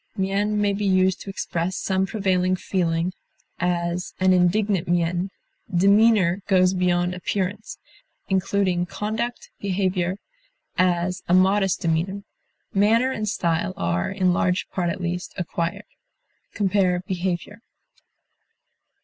Mien may be used to express some prevailing feeling; as, "an indignant mien." Demeanor goes beyond appearance, including conduct, behavior; as, a modest demeanor. Manner and style are, in large part at least, acquired. Compare BEHAVIOR.